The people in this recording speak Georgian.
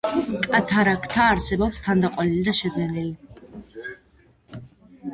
კატარაქტა არსებობს თანდაყოლილი და შეძენილი.